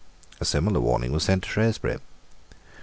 A similar warning was sent to Shrewsbury.